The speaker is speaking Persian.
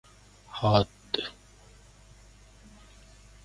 حاد